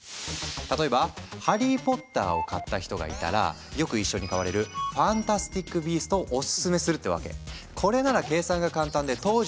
例えば「ハリー・ポッター」を買った人がいたらよく一緒に買われる「ファンタスティック・ビースト」をオススメするってわけ。